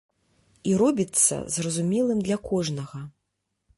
І робіцца зразумелым для кожнага.